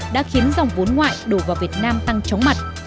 đã khiến dòng vốn ngoại đổ vào việt nam tăng chóng mặt